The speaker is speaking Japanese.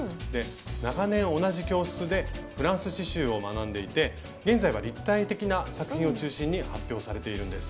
長年同じ教室でフランス刺しゅうを学んでいて現在は立体的な作品を中心に発表されているんです。